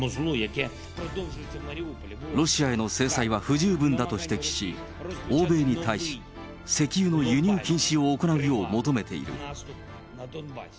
ロシアへの制裁は不十分だと指摘し、欧米に対し、石油の輸入禁止を行うよう求めている。